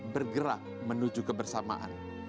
bergerak menuju kebersamaan